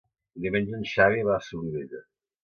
Diumenge en Xavi va a Solivella.